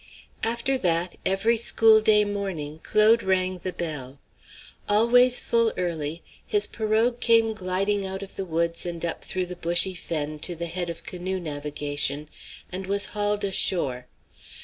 After that, every school day morning Claude rang the bell. Always full early his pirogue came gliding out of the woods and up through the bushy fen to the head of canoe navigation and was hauled ashore.